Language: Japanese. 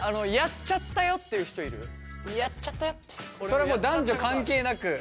それはもう男女関係なく。